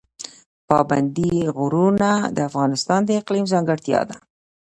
پابندی غرونه د افغانستان د اقلیم ځانګړتیا ده.